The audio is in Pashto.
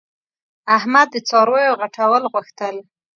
احمد د څارویو غټول غوښتل.